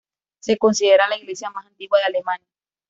Se considera la iglesia más antigua de Alemania.